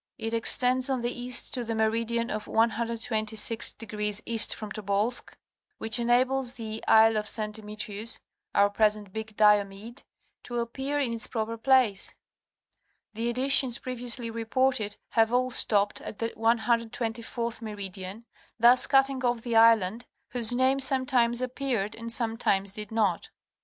It extends on the east to the meridian of 126° east from Tobolsk which enables the ''Isle of St. Demetrius" (our present Big Diomede) to appear in its proper place. The editions previously reported have all stopped at the 124th meridian, thus cutting off the island, whose name sometimes appeared and some times did not.